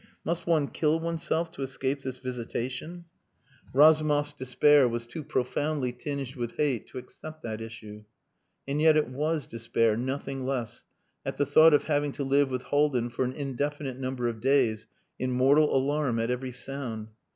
Must one kill oneself to escape this visitation? Razumov's despair was too profoundly tinged with hate to accept that issue. And yet it was despair nothing less at the thought of having to live with Haldin for an indefinite number of days in mortal alarm at every sound.